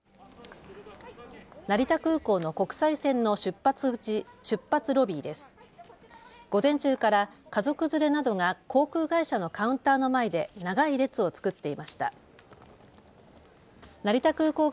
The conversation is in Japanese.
成田空港の国際線の出発ロビーです。